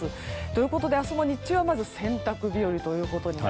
ということで明日も日中はまず洗濯日和。